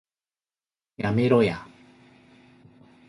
やめろや